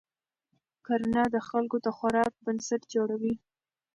کرنه د خلکو د خوراک بنسټ جوړوي